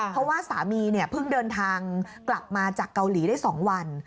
เพราะว่าสามีเนี่ยเพิ่งเดินทางกลับมาจากเกาหลีได้๒วัน